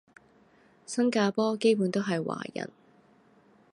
新加坡基本都係華人